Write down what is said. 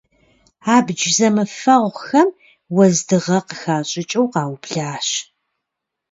Абдж зэмыфэгъухэм уэздыгъэ къыхащӀыкӀыу къаублащ.